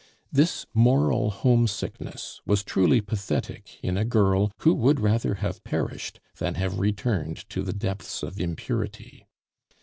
This moral home sickness was truly pathetic in a girl who would rather have perished than have returned to the depths of impurity.